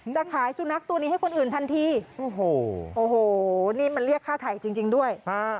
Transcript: จะขายสุนัขตัวนี้ให้คนอื่นทันทีโอ้โหโอ้โหนี่มันเรียกค่าถ่ายจริงด้วย